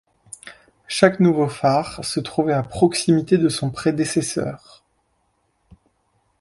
Chaque nouveau phare se trouvait à proximité de son prédécesseur.